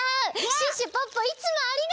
シュッシュポッポいつもありがとう！